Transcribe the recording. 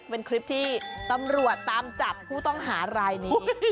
เป็นคลิปที่ตำรวจตามจับผู้ต้องหารายนี้